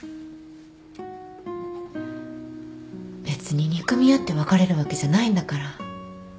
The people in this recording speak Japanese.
別に憎み合って別れるわけじゃないんだから